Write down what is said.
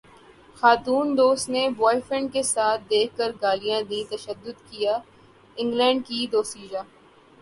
خاتون دوست نے بوائے فرینڈ کے ساتھ دیکھ کر گالیاں دیں تشدد کیا انگلینڈ کی دوشیزہ